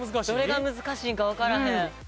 どれが難しいんかわからへん。